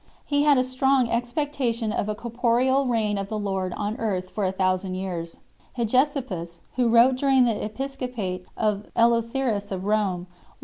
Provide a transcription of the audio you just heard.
He had a strong expecta tion of a corporeal reign of the Lord on earth for a thousand years. Hegesippus 6 , who wrote during the episcopate of Eleutherus of Rome, was of Jewish origin. 1 J.